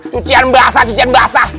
cucian basah cucian basah